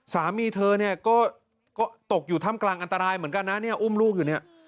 สามีเธอเนี่ยก็ตกอยู่ถ้ำกลางอันตรายเหมือนกันนะเนี่ยอุ้มลูกอยู่เนี่ย